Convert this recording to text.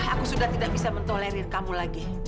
aku sudah tidak bisa mentolerir kamu lagi